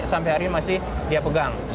sampai hari ini masih dia pegang